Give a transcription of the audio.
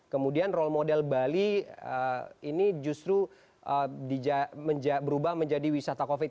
kemudian role model bali ini justru berubah menjadi wisata covid